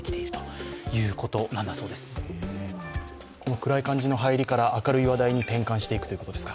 暗い感じの入りから明るい話題に転換していくということですか。